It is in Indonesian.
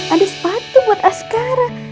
ada sepatu buat askara